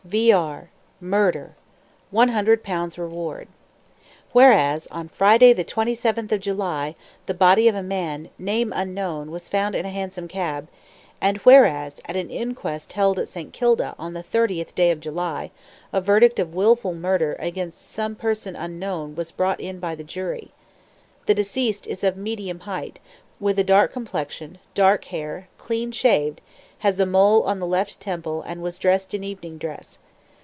V.R. MURDER. 100 POUNDS REWARD. "Whereas, on Friday, the 27th day of July, the body of a man, name unknown, was found in a hansom cab. AND WHEREAS, at an inquest held at St. Kilda, on the 30th day of July, a verdict of wilful murder, against some person unknown, was brought in by the jury. The deceased is of medium height, with a dark complexion, dark hair, clean shaved, has a mole on the left temple, and was dressed in evening dress.